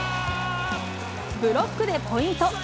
ブロックでポイント。